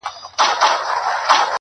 چي کله کله به ما ليدل.